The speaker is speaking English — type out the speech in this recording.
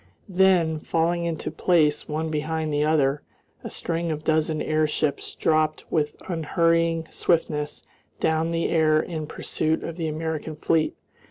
Then, falling into place one behind the other, a string of a dozen airships dropped with unhurrying swiftness down the air in pursuit of the American fleet.